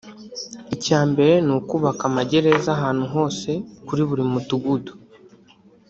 icyambere ni ukubaka amagereza ahantu hose kuri buri mu dugudu